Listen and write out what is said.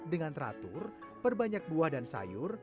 dengan teratur perbanyak buah dan sayur